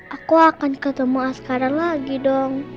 aku akan ketemu askara lagi dong